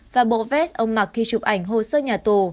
và bộ vest ông mặc khi chụp ảnh hồ sơ nhà tù